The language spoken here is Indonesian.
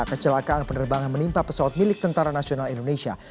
kecelakaan penerbangan menimpa pesawat milik tentara nasional indonesia